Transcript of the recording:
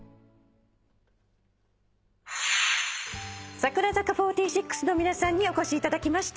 櫻坂４６の皆さんにお越しいただきました。